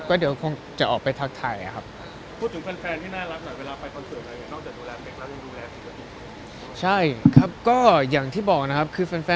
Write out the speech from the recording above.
ข้างนอกยังมีรออีกนะ